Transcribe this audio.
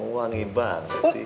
yang wangi banget sih